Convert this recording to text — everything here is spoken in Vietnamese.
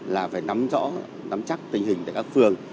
là phải nắm rõ nắm chắc tình hình tại các phường